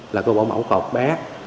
là cô bảo mẫu cột bé